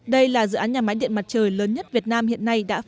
đây là dự án nhà máy điện mặt trời lớn nhất việt nam hiện nay